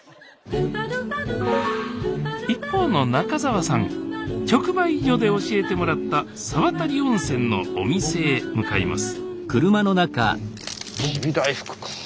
一方の中澤さん直売所で教えてもらった沢渡温泉のお店へ向かいます